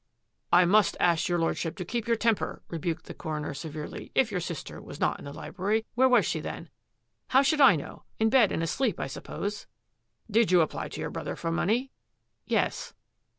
"" I must ask your Lordship to keep your tem per," rebuked the coroner severely. " If your sister was not in the library, where was she then?" "How should I know? In bed and asleep, I suppose." " Did you apply to your brother for money? "" Yes."